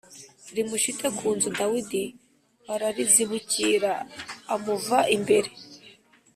rimushite ku nzu Dawidi ararizibukira amuva imbere